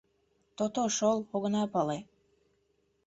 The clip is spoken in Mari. — То-то шол, огына пале.